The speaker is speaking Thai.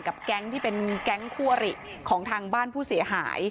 แก๊งที่เป็นแก๊งคู่อริของทางบ้านผู้เสียหาย